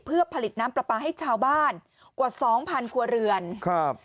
เพื่อผลิตน้ำปลาปลาให้ชาวบ้านกว่าสองพันครัวเรือนครับ